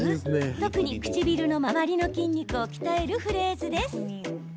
特に唇の周りの筋肉を鍛えるフレーズです。